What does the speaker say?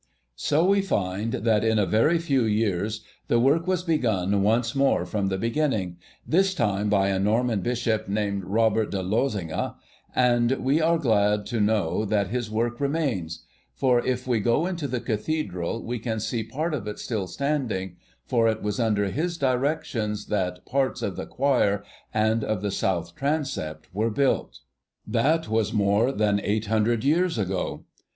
So we find that in a very few years the work was begun once more from the beginning, this time by a Norman Bishop, named Robert de Losinga; and we are glad to know that his work remains, for if we go into the Cathedral we can see part of it still standing, for it was under his directions that parts of the choir and of the south transept were built. Illustration: Photochrom Co., Ltd. HEREFORD CATHEDRAL: SCREEN. That was more than eight hundred years ago.